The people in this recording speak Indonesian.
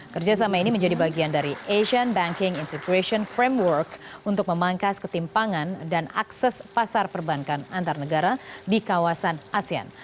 kerjasama ini menjadi bagian dari asian banking integration framework untuk memangkas ketimpangan dan akses pasar perbankan antar negara di kawasan asean